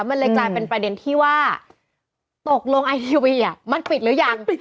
มันเลยกลายเป็นประเด็นที่ว่าตกลงไอทีวีมันปิดหรือยัง